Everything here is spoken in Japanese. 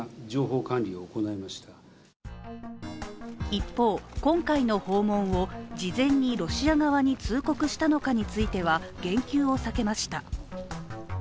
一方、今回の訪問を事前にロシア側に通告したのかについては、言及を避けました。